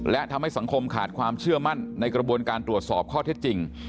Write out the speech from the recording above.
และทำให้สังคมขาดความเชื่อมั่นในกระบวนการตรวจสอบข้อเท็จจริง